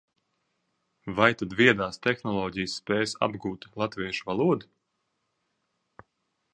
Vai tad viedās tehnoloģijas spēs apgūt latviešu valodu?